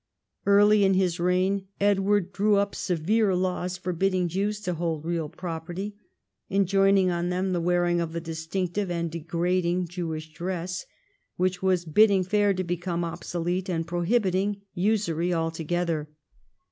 Early in his reign Edward drew up severe laws, forbid ding Jews to hold real property, enjoining on them the wearing of the distinctive and degrading Jewish dress, which was bidding fair to become obsolete, and pro liibiting usury altogether.